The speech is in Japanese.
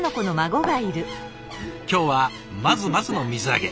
今日はまずまずの水揚げ。